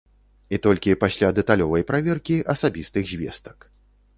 І толькі пасля дэталёвай праверкі асабістых звестак.